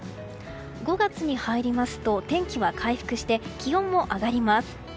５月に入りますと天気は回復して気温も上がります。